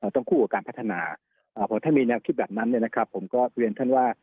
ต้องคู่กับการพัฒนาเพราะถ้ามีแนวคิดแบบนั้นผมก็เรียนท่านว่า